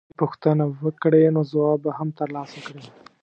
کله چې پوښتنه وکړې نو ځواب به هم ترلاسه کړې.